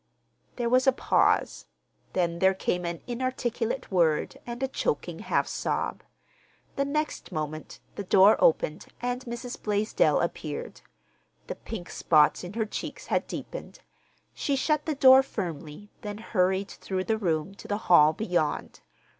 There was a pause, then there came an inarticulate word and a choking half sob. The next moment the door opened and Mrs. Blaisdell appeared. The pink spots in her cheeks had deepened. She shut the door firmly, then hurried through the room to the hall beyond.